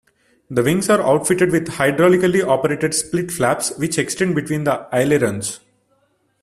The wings are outfitted with hydraulically-operated split flaps, which extend between the ailerons.